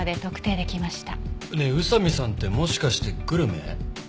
ねえ宇佐見さんってもしかしてグルメ？